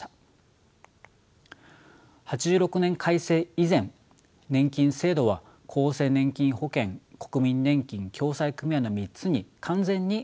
８６年改正以前年金制度は厚生年金保険国民年金共済組合の３つに完全に分立していました。